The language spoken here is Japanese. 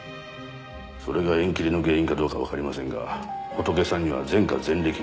それが縁切りの原因かどうかはわかりませんがホトケさんには前科前歴がありました。